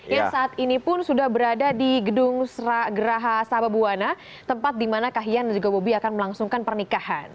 yang saat ini pun sudah berada di gedung geraha sabah buwana tempat dimana kahyang dan juga bobi akan melangsungkan pernikahan